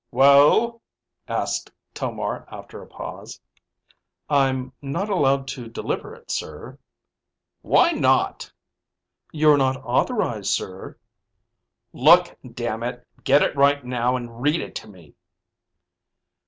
"Well?" asked Tomar after a pause. "I'm not allowed to deliver it, sir." "Why not?" "You're not authorized, sir." "Look, damn it, get it right now and read it to me."